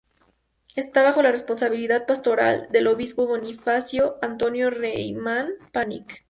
Esta bajo la responsabilidad pastoral del obispo Bonifacio Antonio Reimann Panic.